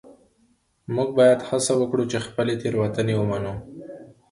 موږ باید هڅه وکړو چي خپلي تېروتنې ومنو.